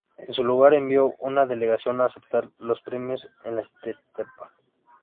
En su lugar envió una delegación a aceptar los premios en la estepa.